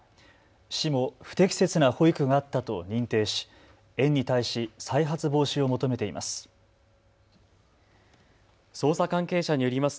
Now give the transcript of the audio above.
市も不適切な保育があったと認定し園に対し再発防止を求めています。